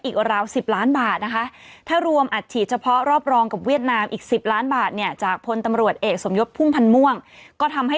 อีกกว่าราว๑๐ล้านบาทนะคะ